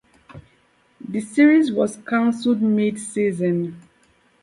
The series was cancelled mid-season.